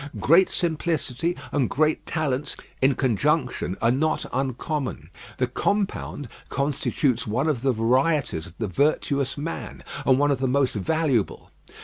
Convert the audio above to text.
Great simplicity and great talents in conjunction are not uncommon. The compound constitutes one of the varieties of the virtuous man, and one of the most valuable.